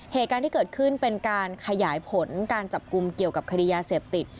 เหตุการณ์ที่เกิดขึ้นเป็นการขยายผลการจับกลุ่มเกี่ยวกับคดียาเสพติด